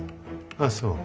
ああそう。